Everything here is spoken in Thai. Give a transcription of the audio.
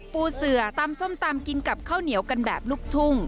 ปูเสือตำส้มตำกินกับข้าวเหนียวกันแบบลูกทุ่ง